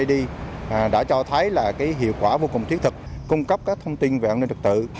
công an xã đã cho thấy hiệu quả vô cùng thiết thực cung cấp các thông tin về an ninh thực tự